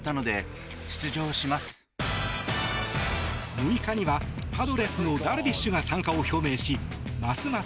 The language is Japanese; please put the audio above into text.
６日には、パドレスのダルビッシュが参加を表明しますます